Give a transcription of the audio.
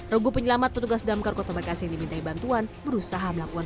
regu penyelamat petugas damkar kota bekasi yang dimintai bantuan berusaha melakukan